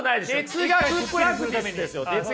哲学プラクティスですよ。